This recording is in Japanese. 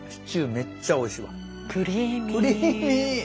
めっちゃおいしいわ。